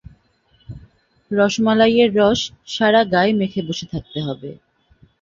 রসমালাইয়ের রস সারা গায়ে মেখে বসে থাকতে হবে।